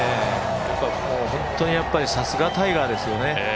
本当にさすがタイガーですよね。